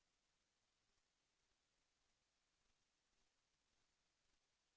แสวได้ไงของเราก็เชียนนักอยู่ค่ะเป็นผู้ร่วมงานที่ดีมาก